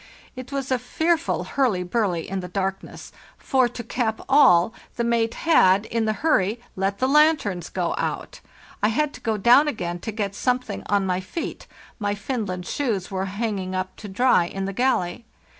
It was a fearful hurly burly in the darkness; for, to cap all, the mate had, in the hurry, let the lanterns go out. I had to go down again to get something on my feet; my Finland shoes were hanging up to dry in the galley.